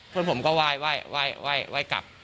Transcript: เพื่อนผมก็ไหว้กลับ